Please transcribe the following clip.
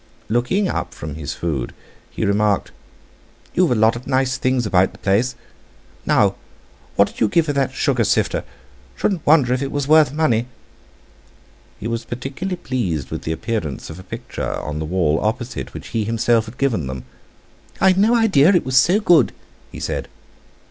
Looking up from his food, he remarked: "You've a lot of nice things about the place. Now, what did you give for that sugar sifter? Shouldn't wonder if it was worth money!" He was particularly pleased with the appearance of a picture, on the wall opposite, which he himself had given them: "I'd no idea it was so good!" he said.